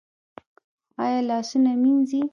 ایا لاسونه مینځي؟